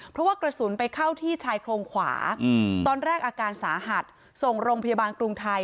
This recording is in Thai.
เพราะว่ากระสุนไปเข้าที่ชายโครงขวาตอนแรกอาการสาหัสส่งโรงพยาบาลกรุงไทย